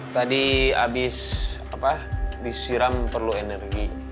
tadi habis disiram perlu energi